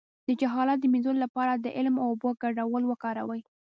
د جهالت د مینځلو لپاره د علم او اوبو ګډول وکاروئ